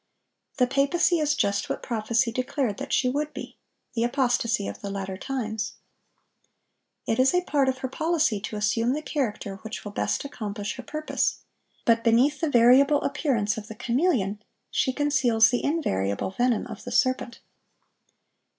The papacy is just what prophecy declared that she would be, the apostasy of the latter times.(1005) It is a part of her policy to assume the character which will best accomplish her purpose; but beneath the variable appearance of the chameleon, she conceals the invariable venom of the serpent.